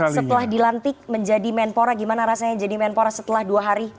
setelah dilantik menjadi menpora gimana rasanya jadi menpora setelah dua hari